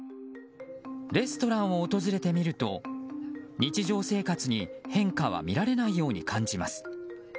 レストランを訪れてみると日常生活に変化は見られないように感じます。